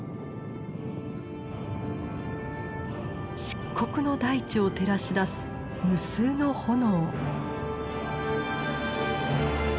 漆黒の大地を照らし出す無数の炎。